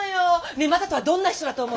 ねえ正門はどんな人だと思う？